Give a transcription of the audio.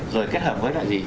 rồi kết hợp với loại gì